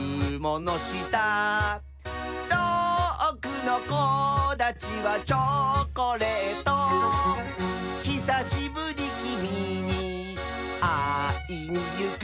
「とおくのこだちはチョコレート」「ひさしぶりきみにあいにゆく」